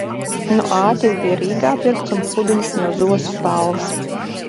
Nu āķis bija Rīgā pirkts un pludiņš no zosu spalvas.